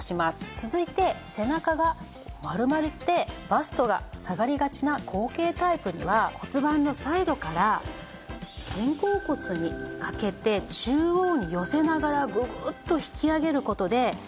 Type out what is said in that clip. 続いて背中が丸まってバストが下がりがちな後傾タイプには骨盤のサイドから肩甲骨にかけて中央に寄せながらググッと引き上げる事で姿勢を整えながら